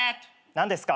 何ですか？